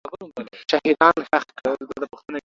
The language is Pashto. شهیدان ښخ کړه.